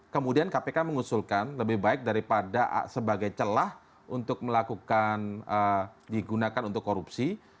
kemudian kpk mengusulkan lebih baik daripada sebagai celah untuk melakukan digunakan untuk korupsi